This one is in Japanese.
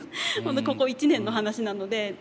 ここ１年の話なので。